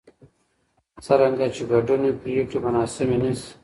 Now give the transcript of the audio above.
څرنګه چې ګډون وي، پرېکړې به ناسمې نه شي.